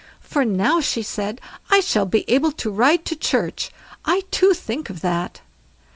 "For now", she said, "I shall be able to ride to church. I too, think of that."